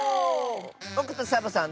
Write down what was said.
ぼくとサボさん